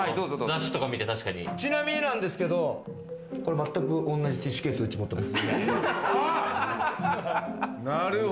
ちなみになんですけど、これ全く同じティッシュケース、うち持ってます。